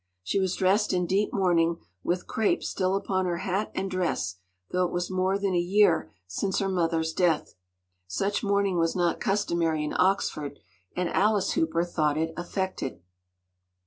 She was dressed in deep mourning with crape still upon her hat and dress, though it was more than a year since her mother’s death. Such mourning was not customary in Oxford, and Alice Hooper thought it affected.